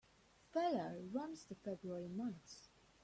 Feller runs the February months.